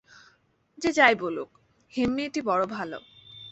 যে যাই বলুক, হেম মেয়েটি বড়ো ভালো।